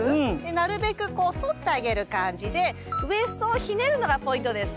なるべく反ってあげる感じでウエストをひねるのがポイントです。